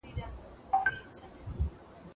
د روغتیا مدیریت سیستم به بشپړ سي؟